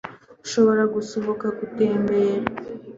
nshobora gusohoka gutembera